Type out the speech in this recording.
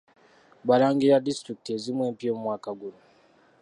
Baalangirira disitulikiti ezimu empya omwaka guno.